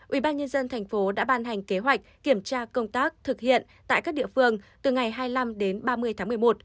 ubnd tp đã ban hành kế hoạch kiểm tra công tác thực hiện tại các địa phương từ ngày hai mươi năm đến ba mươi tháng một mươi một